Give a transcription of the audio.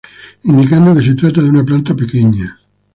Indicando que se trata de una planta pequeña.